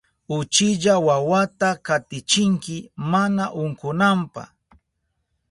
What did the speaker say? Uchilla wawata katachinki mana unkunanpa.